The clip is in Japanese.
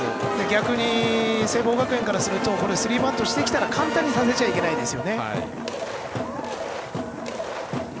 逆に聖望学園からするとスリーバントしてきたら簡単にさせちゃいけないです。